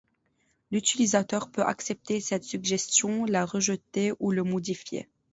L'utilisateur peut accepter cette suggestion, la rejeter ou la modifier.